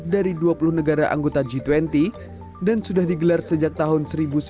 dari dua puluh negara anggota g dua puluh dan sudah digelar sejak tahun seribu sembilan ratus sembilan puluh